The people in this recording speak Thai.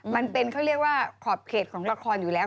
มันเป็นเขาเรียกว่าขอบเขตของละครอยู่แล้ว